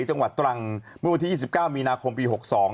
จังหวัดตรังเมื่อวันที่๒๙มีนาคมปี๖๒